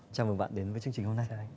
chào mừng bạn đến với chương trình hôm nay